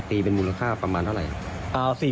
เป็นมูลค่าประมาณเท่าไหร่ครับ